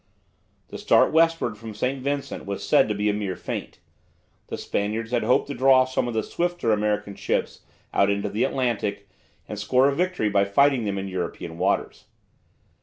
The start westward from St. Vincent was said to be a mere feint. The Spaniards had hoped to draw some of the swifter American ships out into the Atlantic, and score a victory by fighting them in European waters.